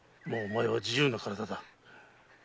もうお前は自由な体だ。